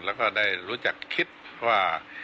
แล้วก็ได้รู้จักคิดว่า